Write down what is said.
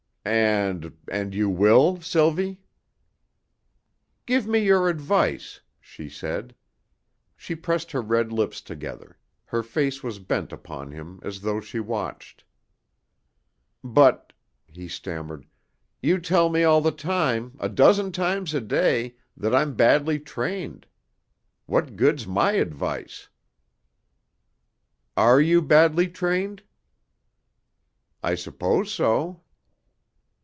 "And and you will, Sylvie?" "Give me your advice," she said. She pressed her red lips together; her face was bent upon him as though she watched. "But," he stammered, "you tell me all the time, a dozen times a day, that I'm badly trained. What good's my advice?" "Are you badly trained?" "I suppose so."